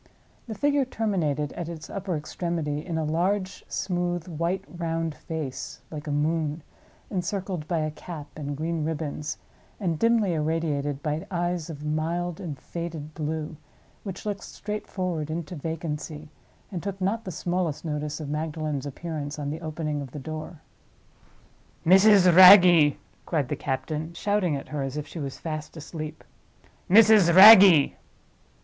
The figure terminated at its upper extremity in a large, smooth, white round face—like a moon—encircled by a cap and green ribbons, and dimly irradiated by eyes of mild and faded blue, which looked straightforward into vacancy, and took not the smallest notice of Magdalen's appearance, on the opening of the door. "Mrs. Wragge!" cried the captain, shouting at her as if she was fast asleep. "Mrs. Wragge!"